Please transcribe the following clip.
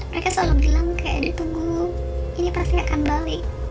mereka selalu bilang kayak ditunggu ini pasti akan balik